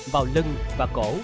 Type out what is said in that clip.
vào lưng và cổ